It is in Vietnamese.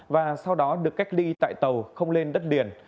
và sau đó được cách ly tại tàu không lên đất liền